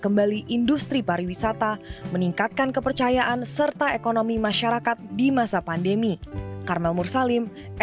kembali industri pariwisata meningkatkan kepercayaan serta ekonomi masyarakat di masa pandemi